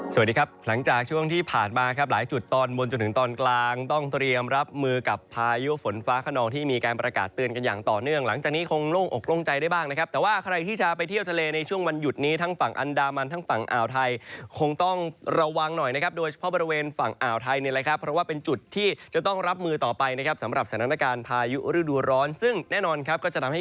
สวัสดีครับหลังจากช่วงที่ผ่านมาครับหลายจุดตอนบนจนถึงตอนกลางต้องเตรียมรับมือกับพายุฝนฟ้าขนองที่มีการประกาศเตือนกันอย่างต่อเนื่องหลังจากนี้คงโล่งอกล่วงใจได้บ้างนะครับแต่ว่าใครที่จะไปเที่ยวทะเลในช่วงวันหยุดนี้ทั้งฝั่งอันดามันทั้งฝั่งอ่าวไทยคงต้องระวังหน่อยนะครับโดยเฉพาะ